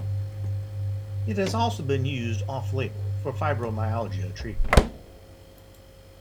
It has also been used off-label for fibromyalgia treatment.